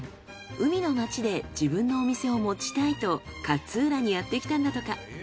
海の街で自分のお店を持ちたいと勝浦にやってきたんだとか。